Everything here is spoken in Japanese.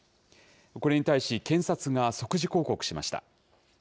これに対し、検察が即時抗告しました。